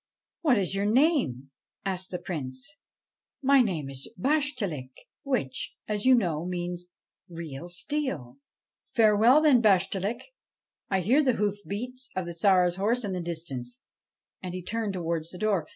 ' What is your name ?' asked the Prince. 'My name is Bashtchelik, which, as you know, means "real steel."' '' Farewell, then, Bashtchelik ; I hear the hoof beats of the Tsar's horses in the distance.' And he turned towards the door.